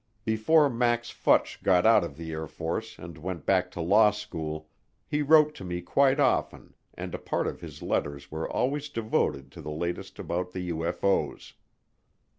Before Max Futch got out of the Air Force and went back to law school he wrote to me quite often and a part of his letters were always devoted to the latest about the UFO's.